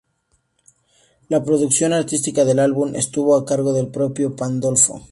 La producción artística del álbum estuvo a cargo del propio Pandolfo.